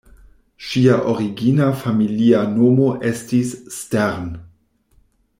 Ŝia origina familia nomo estis "Stern".